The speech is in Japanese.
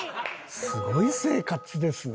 すごい生活ですね。